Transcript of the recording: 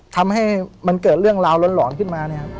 ทำให้มันเกิดเรื่องราวหลอนขึ้นมาเนี่ยครับ